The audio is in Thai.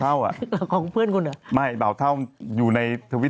อ้าวคุณบ่าเท่าอย่างไมแล้ว